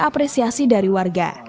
apresiasi dari warga